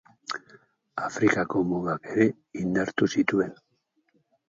Afrikako mugak ere indartu zituen.